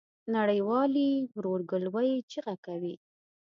نړۍ والي ورورګلوی چیغه کوي.